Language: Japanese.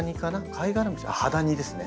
カイガラムシハダニですね。